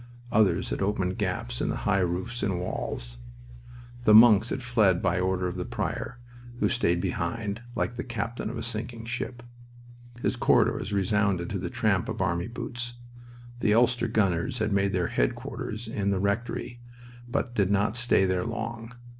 Others had opened gaps in the high roofs and walls. The monks had fled by order of the prior, who stayed behind, like the captain of a sinking ship. His corridors resounded to the tramp of army boots. The Ulster gunners had made their headquarters in the refectory, but did not stay there long.